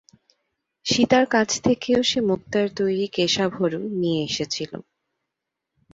সীতার কাছ থেকেও সে মুক্তার তৈরি কেশাভরণ নিয়ে এসেছিল।